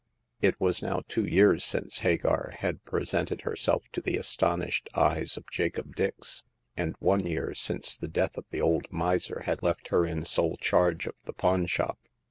It was now two years since Hagar had pre sented herself to the astonished eyes of Jacob Dix, and one year since the death of the old miser had left her in sole charge of the pawn shop.